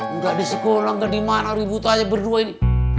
nggak di sekolah nggak di mana ribut aja berdua ini